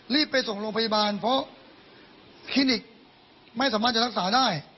รีบไปส่งโรงพยาบาลเพราะคลินิกไม่สามารถจะรักษาได้